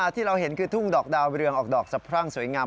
ที่เราเห็นคือทุ่งดอกดาวเรืองออกดอกสะพรั่งสวยงาม